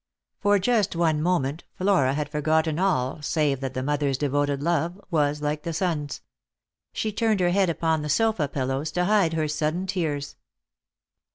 For just one moment Flora had forgotten all save that the mother's devoted love was like the son's. She turned her head upon the sofa pillows to hide her sudden tears.